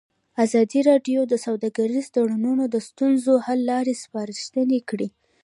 ازادي راډیو د سوداګریز تړونونه د ستونزو حل لارې سپارښتنې کړي.